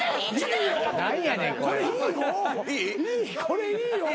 これいいよ。